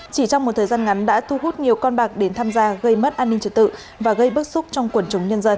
chỉ trong một thời gian ngắn đã thu hút nhiều con bạc đến tham gia gây mất an ninh trật tự và gây bức xúc trong quần chúng nhân dân